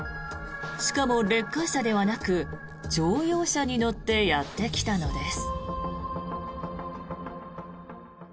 しかも、レッカー車ではなく乗用車に乗ってやってきたのです。